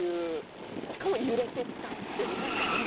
しかも揺れていたというね。